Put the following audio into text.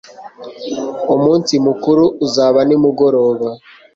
umunsi mukuru uzaba nimugoroba